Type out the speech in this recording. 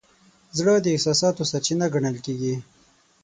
زړه د احساساتو سرچینه ګڼل کېږي.